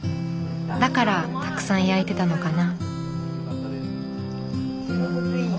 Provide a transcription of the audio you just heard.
だからたくさん焼いてたのかな。